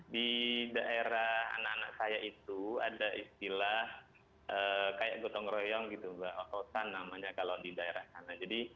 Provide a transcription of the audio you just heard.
di daerah anak anak saya itu ada istilah kayak gotong royong gitu mbak otosan namanya kalau di daerah sana